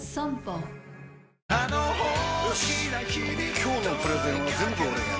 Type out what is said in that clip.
今日のプレゼンは全部俺がやる！